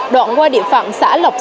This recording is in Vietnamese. đoạn qua địa phận xã lộc sơn